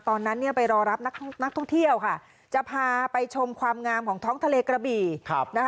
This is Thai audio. ตอนนั้นไปรอรับนักท่องเที่ยวค่ะจะพาไปชมความงามของท้องทะเลกระบี่